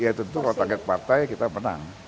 ya tentu kalau target partai kita menang